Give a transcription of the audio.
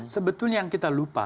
sebetulnya yang kita lupa